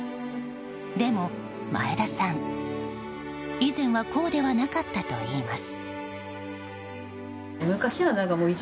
でも前田さん、以前はこうではなかったといいます。